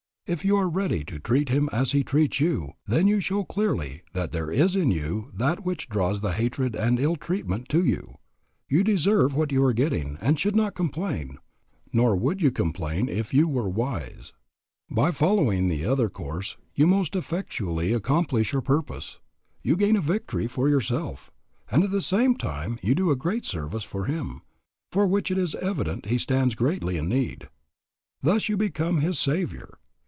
If you are ready to treat him as he treats you, then you show clearly that there is in you that which draws the hatred and ill treatment to you; you deserve what you are getting and should not complain, nor would you complain if you were wise. By following the other course you most effectually accomplish your purpose, you gain a victory for yourself, and at the same time you do a great service for him, for which it is evident he stands greatly in need. Thus you may become his saviour.